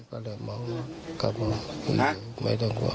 ก็เริ่มมองกลับมาไม่ต้องกลัว